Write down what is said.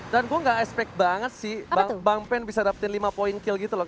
dan gua gak expect banget sih bang pen bisa dapetin lima poin kill gitu loh